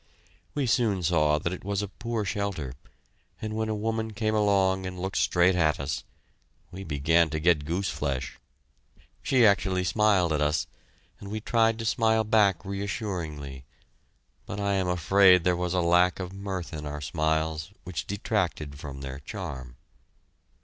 We soon saw that it was a poor shelter, and when a woman came along and looked straight at us, we began to get gooseflesh! She actually smiled at us, and we tried to smile back reassuringly, but I am afraid there was a lack of mirth in our smiles which detracted from their charm.